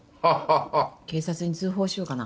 警察に通報しようかな。